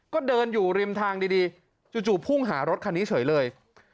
ก็เดินอยู่ริมทางดีจู่พุ่งหารถคันนี้เฉยเลย